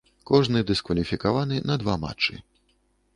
Кожны дыскваліфікаваны на два матчы.